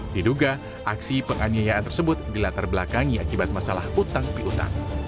diduga aksi penganiayaan tersebut dilatar belakangi akibat masalah utang piutang